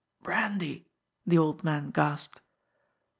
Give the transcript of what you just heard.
"Brandy!" the old man gasped.